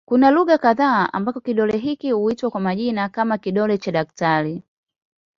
Kuna lugha kadha ambako kidole hiki huitwa kwa majina kama "kidole cha daktari".